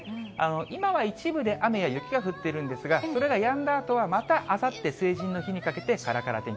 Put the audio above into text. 今は一部で雨や雪が降っているんですが、これがやんだあとはまたあさって成人の日にかけてからから天気。